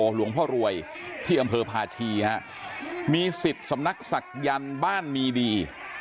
หลวงพ่อรวยที่อำเภอพาชีฮะมีสิทธิ์สำนักศักยันต์บ้านมีดี